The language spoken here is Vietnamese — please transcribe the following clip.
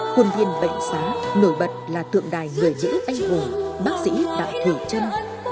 quân viên bệnh xá nổi bật là tượng đài người nữ anh hùng bác sĩ đặng thủy trâm